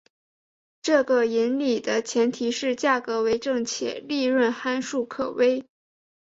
这个引理的前提是价格为正且利润函数可微。